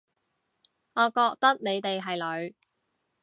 我覺得你哋係女